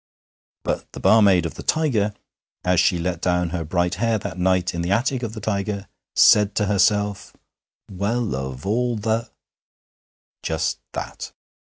But the barmaid of the Tiger, as she let down her bright hair that night in the attic of the Tiger, said to herself, 'Well, of all the ' Just that.